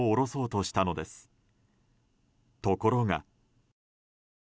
ところが。